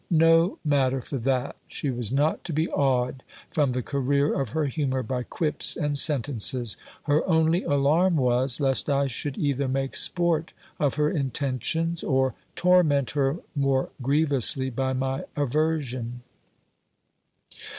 No matter for that ! She was not to be awed from the career of her humour by quips and sentences : her only alarm was, lest I should either make sport of her intentions, or torment her more grievously by my aversion.